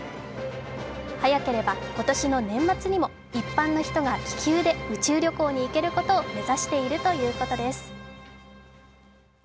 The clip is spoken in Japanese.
早ければ今年の年末にも一般の人が気球で宇宙旅行に行けることを目指しているということです。